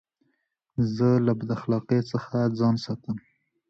زه له بداخلاقۍ څخه ځان ساتم.